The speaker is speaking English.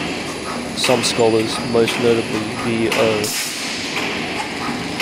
Some scholars, most notably V. O.